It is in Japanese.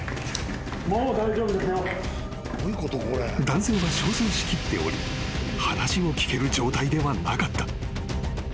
［男性は憔悴しきっており話を聞ける状態ではなかった］